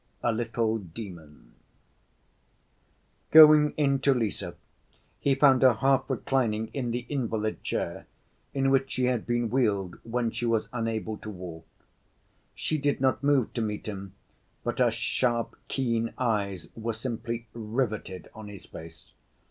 A Little Demon Going in to Lise, he found her half reclining in the invalid‐chair, in which she had been wheeled when she was unable to walk. She did not move to meet him, but her sharp, keen eyes were simply riveted on his face.